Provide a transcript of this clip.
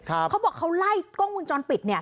เขาบอกเขาไล่กล้องมูลจรปิดเนี่ย